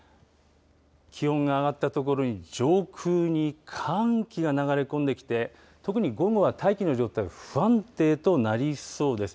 気温が上がった所に上空に寒気が流れ込んできて、特に午後は大気の状態、不安定となりそうです。